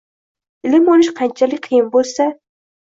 Ilm olish qanchalik qiyin bo‘lsa